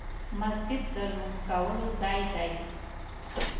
مسجد د لمونځ کولو ځای دی .